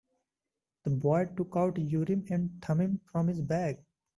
The boy took out Urim and Thummim from his bag.